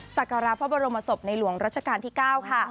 สักการะพระบรมศพในหลวงรัชกาลที่๙ค่ะ